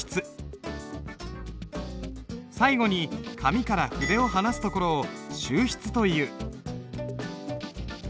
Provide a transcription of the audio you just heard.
最後に紙から筆を離すところを収筆という。